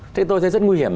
thì tôi thấy rất nguy hiểm